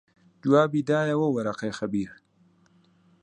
جوابی دایەوە وەرەقەی خەبیر